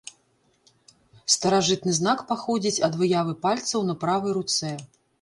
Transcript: Старажытны знак паходзіць ад выявы пальцаў на правай руцэ.